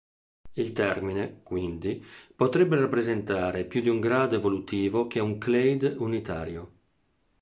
Il termine, quindi, potrebbe rappresentare più un grado evolutivo che un clade unitario.